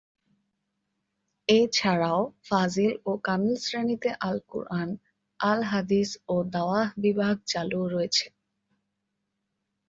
এছাড়াও ফাজিল ও কামিল শ্রেণীতে আল কুরআন, আল হাদিস ও দাওয়াহ বিভাগ চালু রয়েছে।